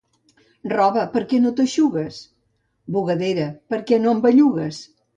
Roba, per què no t'eixugues? —Bugadera, per què no em bellugues?